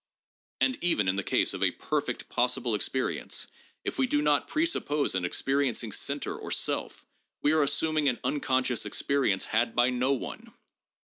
And even in the case of a perfect ' possible ' experience, if we do not presuppose an experiencing center or self, we are assuming an unconscious experience had by no one.